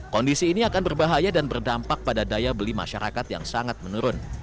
kondisi ini akan berbahaya dan berdampak pada daya beli masyarakat yang sangat menurun